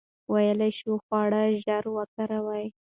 ویلې شوي خواړه ژر وکاروئ.